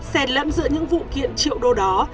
xèn lẫn giữa những vụ kiện triệu đô đó